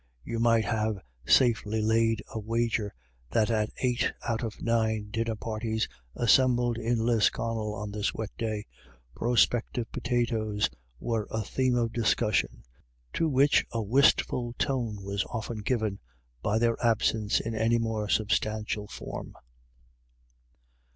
You might have safely laid a wager that at eight out of the nine dinner parties assembled in Lisconnel on this wet day, prospective potatoes were a theme of discussion, to which a wistful tone was often given by their absence in any more substantial form.